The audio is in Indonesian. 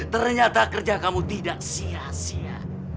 ternyata kerja kamu tidak sia sia